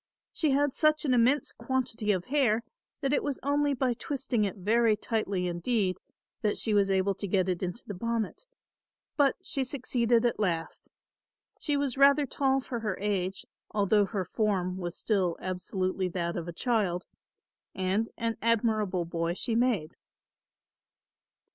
She had such an immense quantity of hair that it was only by twisting it very tightly indeed that she was able to get it into the bonnet; but she succeeded at last. She was rather tall for her age, although her form was still absolutely that of a child, and an admirable boy she made.